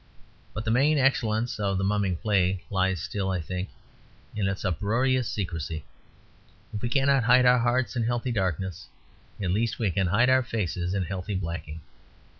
But the main excellence of the Mumming Play lies still, I think, in its uproarious secrecy. If we cannot hide our hearts in healthy darkness, at least we can hide our faces in healthy blacking.